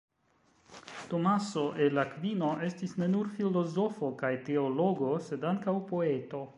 Tomaso el Akvino estis ne nur filozofo kaj teologo, sed ankaŭ poeto.